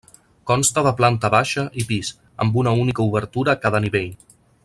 Consta de planta baixa i pis, amb una única obertura a cada nivell.